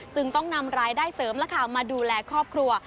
จึงต้องนำรายได้เสริมมาดูแลครอบครัว